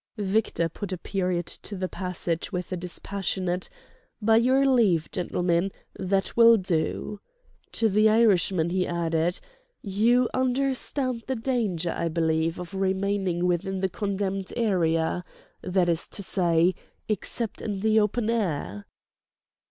Victor put a period to the passage with a dispassionate "By your leave, gentlemen—that will do." To the Irishman he added: "You understand the danger, I believe, of remaining within the condemned area—that is to say, except in the open air?"